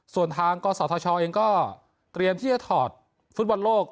ส่วนทางกศธชเองก็เตรียมที่จะถอดฟุตบอลโลก